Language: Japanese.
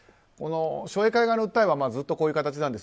商栄会側の訴えはずっとこういう形なんです。